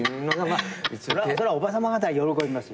それはおばさま方喜びますよ。